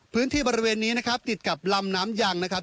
พื้นที่บริเวณนี้นะครับติดกับลำน้ำยังนะครับ